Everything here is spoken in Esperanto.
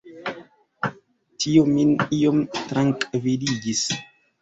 Tio min iom trankviligis.